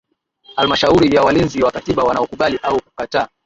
Halmashauri ya Walinzi wa Katiba wanaokubali au kukataa